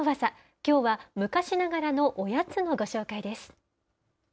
きょうは昔ながらのおやつのご紹介です。